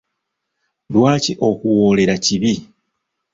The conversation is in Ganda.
Lwaki okuwoolera kibi?